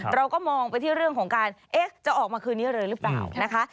เราก็มองไปที่เรื่องของการเอ๊ะจะออกมาคืนนี้เลยหรือเปล่านะคะ